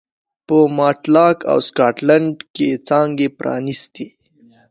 په ماټلاک او سکاټلنډ کې څانګې پرانېستې.